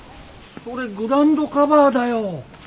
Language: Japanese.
それグラウンドカバーだよ。